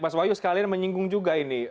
mas wahyu sekalian menyinggung juga ini